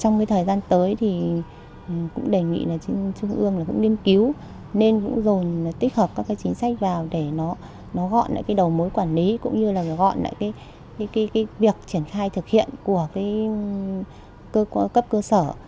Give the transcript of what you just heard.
nó gọn lại cái đầu mối quản lý cũng như là gọn lại cái việc triển khai thực hiện của cấp cơ sở